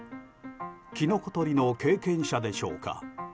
キノコ採りの経験者でしょうか。